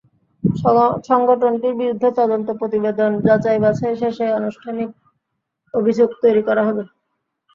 সংগঠনটির বিরুদ্ধে তদন্ত প্রতিবেদন যাচাইবাছাই শেষে আনুষ্ঠানিক অভিযোগ তৈরি করা হবে।